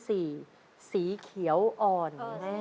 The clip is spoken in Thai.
สีสีเขียวอ่อน